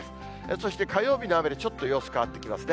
そして火曜日の雨でちょっと様子変わってきますね。